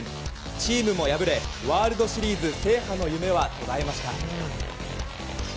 チームも敗れワールドシリーズ制覇の夢は途絶えました。